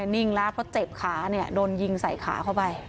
นิ่งแล้วเพราะเจ็บขาเนี่ยโดนยิงใส่ขาเข้าไป